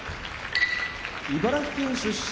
茨城県出身